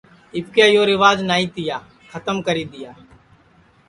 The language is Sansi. اِٻکے یو ریوج نائی تیا کھتم کری دؔیا